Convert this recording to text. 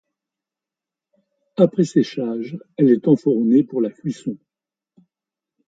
Après séchage, elle est enfournée pour la cuisson.